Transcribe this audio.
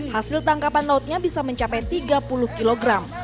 hasil tangkapan lautnya bisa mencapai tiga puluh kg